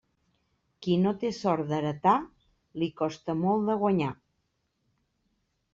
Qui no té sort d'heretar, li costa molt de guanyar.